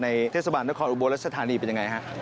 ในเทศบาลนครบรวมและสถานีเป็นอย่างไรฮะ